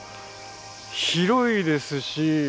広いですし。